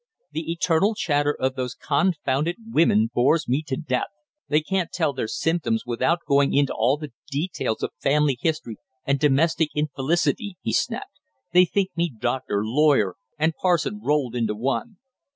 The eternal chatter of those confounded women bores me to death. They can't tell their symptoms without going into all the details of family history and domestic infelicity," he snapped. "They think me doctor, lawyer, and parson rolled into one."